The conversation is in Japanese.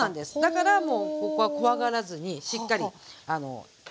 だからもうここは怖がらずにしっかり入れて下さい。